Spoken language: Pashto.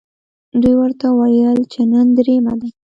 دوی ورته وویل چې نن درېیمه ده.